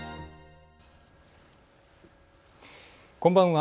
こんばんは。